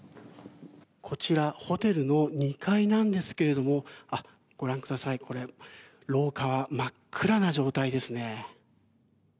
こちらホテルの２階なんですけどもご覧ください、これ廊下は真っ暗な状態ですね。